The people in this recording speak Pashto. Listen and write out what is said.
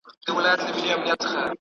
موږ د سولې په فضا کې ژوند کوو.